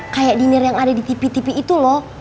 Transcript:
kayak dinner yang ada di tv tv itu loh